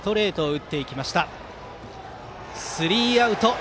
スリーアウト！